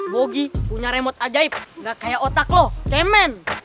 bogi punya remote ajaib gak kayak otak loh kemen